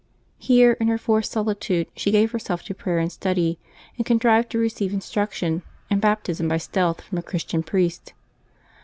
Here in her forced solitude, she gave herself to prayer and study, and contrived to receive instruction and Baptism by stealth from a Christian priest.